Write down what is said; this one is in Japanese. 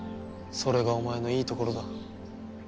それがお前のいいところだ。